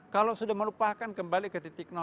kalau sudah melupakan kembali ke titik